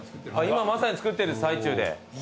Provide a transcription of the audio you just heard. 今まさに作ってる最中で。